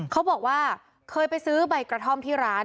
เขาบอกว่าเคยไปซื้อใบกระท่อมที่ร้าน